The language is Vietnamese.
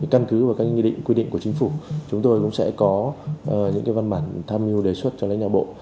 căn cứ và các quy định của chính phủ chúng tôi cũng sẽ có những cái văn bản tham mưu đề xuất cho lãnh đạo bộ